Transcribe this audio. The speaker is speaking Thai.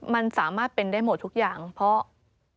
มันสามารถเป็นได้หมดทุกอย่างเพราะ